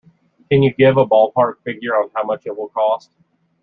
Can you give a ballpark figure on how much it will cost?